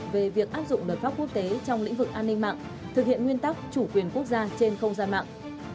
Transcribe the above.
về việc áp dụng luật pháp quốc tế trong lĩnh vực an ninh mạng thực hiện nguyên tắc chủ quyền quốc gia trên không gian mạng